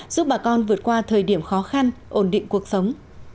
giúp bà con vượt qua thời điểm khó khăn ổn định cuộc sống